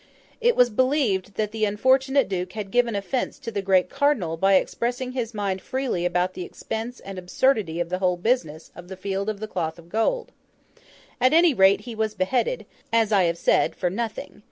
It was believed that the unfortunate Duke had given offence to the great Cardinal by expressing his mind freely about the expense and absurdity of the whole business of the Field of the Cloth of Gold. At any rate, he was beheaded, as I have said, for nothing.